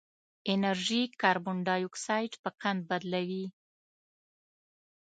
انرژي کاربن ډای اکسایډ پر قند تبدیلوي.